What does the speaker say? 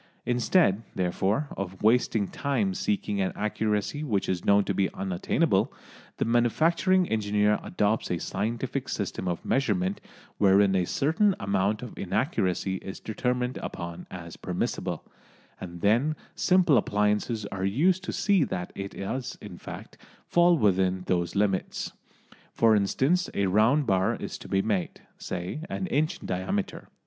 Instead, therefore, of wasting time seeking an accuracy which is known to be unattainable, the manufacturing engineer adopts a scientific system of measurement wherein a certain amount of inaccuracy is determined upon as permissible, and then simple appliances are used to see that it does, in fact, fall within those limits. For instance, a round bar is to be made, say, an inch in diameter.